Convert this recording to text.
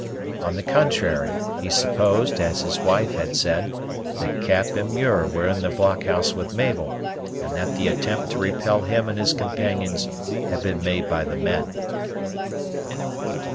On the contrary, he supposed, as his wife had said, that Cap and Muir were in the blockhouse with Mabel, and that the attempt to repel him and his companions had been made by the men.